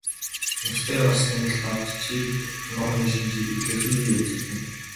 Нас дээр гарсан нь илт авч чийрэг ануухны шинж илэрхийеэ үзэгдэнэ.